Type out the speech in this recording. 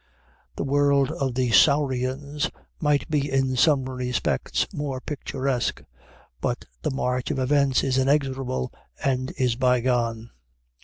The world of the Saurians might be in some respects more picturesque, but the march of events is inexorable, and it is bygone.